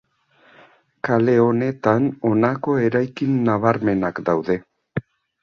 Kale honetan honako eraikin nabarmenak daude.